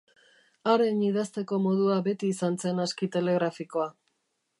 Haren idazteko modua beti izan zen aski telegrafikoa.